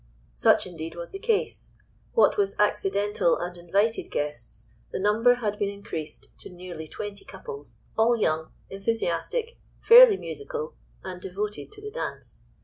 Such, indeed, was the case. What with accidental and invited guests, the number had been increased to nearly twenty couples, all young, enthusiastic, fairly musical, and devoted to the dance.